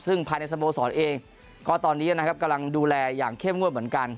ซึ่งภายในสโมสรเองก็ตอนนี้นะครับกำลังดูแลอย่างเข้มงวดเหมือนกัน